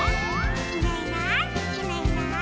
「いないいないいないいない」